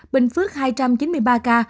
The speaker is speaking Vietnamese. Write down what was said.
bình phước hai trăm chín mươi ba ca